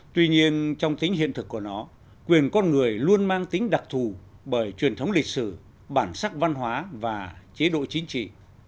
tuy nhiên trong tính hiện thực của nó quyền con người luôn mang tính đặc thù bởi truyền thống lịch sử bản sắc văn hóa và chế độ chính trị